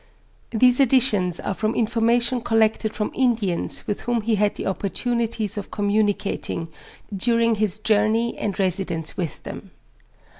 These additions are from information collected from Indians with whom he had the opportunities of communicating, during his journey and residence with them.